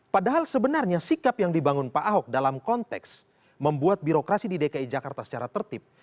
padahal sebenarnya sikap yang dibangun pak ahok dalam konteks membuat birokrasi di dki jakarta secara tertib